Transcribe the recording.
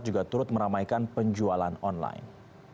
juga turut meramaikan penjualan online